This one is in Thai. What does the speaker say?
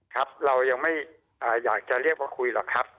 ครับเรายังไม่อยากจะเรียกว่าคุยหรอกครับ